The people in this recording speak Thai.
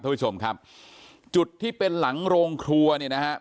ท่านผู้ชมครับจุดที่เป็นหลังโรงครัวเนี่ยนะฮะ